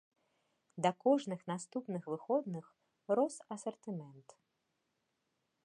Да кожных наступных выходных рос асартымент.